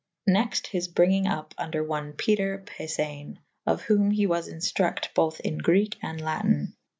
Nexte / his bryngynge vp vnder one Peter Pyfane / of whome he was inftructe bothe in Greke and Laten.